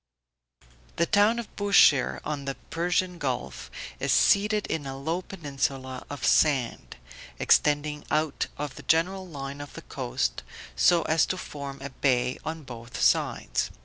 The town of Bushire, on the Persian Gulf is seated in a low peninsula of sand, extending out of the general line of the coast, so as to form a bay on both sides.